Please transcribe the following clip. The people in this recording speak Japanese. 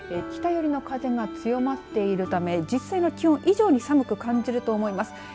北寄りの風が強まっているため実際の気温以上に寒く感じると思います。